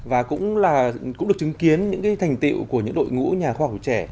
và cũng được chứng kiến những cái thành tiệu của những đội ngũ nhà khoa học trẻ